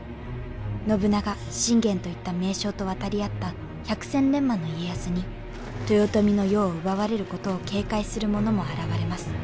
信長信玄といった名将と渡り合った百戦錬磨の家康に豊臣の世を奪われることを警戒する者も現れます。